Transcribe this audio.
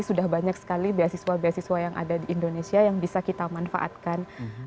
sudah banyak sekali beasiswa beasiswa yang ada di indonesia yang bisa kita manfaatkan